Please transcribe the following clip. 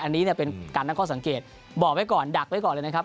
อันนี้เนี่ยเป็นการตั้งข้อสังเกตบอกไว้ก่อนดักไว้ก่อนเลยนะครับ